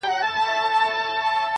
تر همدغه آسمان لاندي -